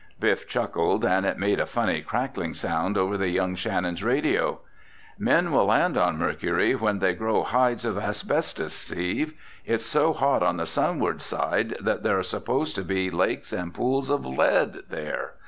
Biff chuckled and it made a funny crackling sound over the young Shannons' radios. "Men will land on Mercury when they grow hides of asbestos, Steve. It's so hot on the sunward side that there are supposed to be lakes and pools of lead there!